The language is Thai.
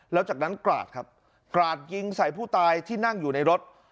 แล้วจากนั้นกราดครับกราดยิงใส่ผู้ตายที่นั่งอยู่ในรถ